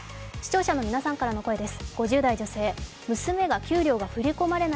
視聴者の皆さんからの声です。